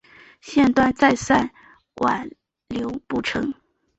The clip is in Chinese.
谢端再三挽留不成。